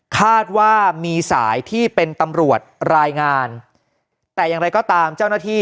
คาดว่ามีสายที่เป็นตำรวจรายงานแต่อย่างไรก็ตามเจ้าหน้าที่